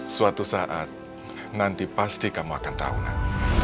suatu saat nanti pasti kamu akan tahu nanti